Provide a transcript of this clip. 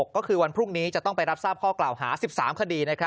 ก็คือวันพรุ่งนี้จะต้องไปรับทราบข้อกล่าวหา๑๓คดี